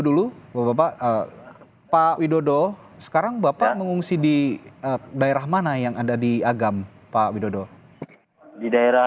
dulu bapak bapak pak widodo sekarang bapak mengungsi di daerah mana yang ada di agam pak widodo di daerah